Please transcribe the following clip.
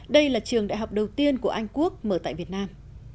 đây là trường đại học đầu tiên của anh quốc mở tại việt nam